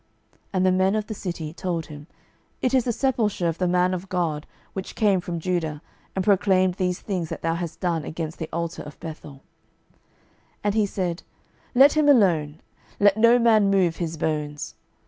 And the men of the city told him, It is the sepulchre of the man of God, which came from Judah, and proclaimed these things that thou hast done against the altar of Bethel. 12:023:018 And he said, Let him alone; let no man move his bones.